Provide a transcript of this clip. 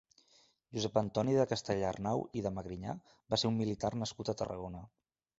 Josep Antoni de Castellarnau i de Magrinyà va ser un militar nascut a Tarragona.